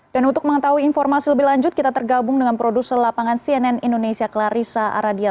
dan untuk mengetahui informasi lebih lanjut kita tergabung dengan produser lapangan cnn indonesia clarissa aradia